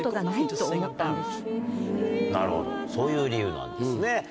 なるほどそういう理由なんですね。